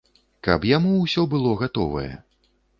Каб яму ўсё было гатовае.